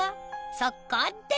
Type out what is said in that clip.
そこで！